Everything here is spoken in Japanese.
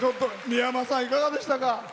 三山さん、いかがでしたか？